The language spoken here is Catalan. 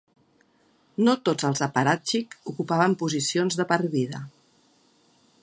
No tots els apparàtxik ocupaven posicions de per vida.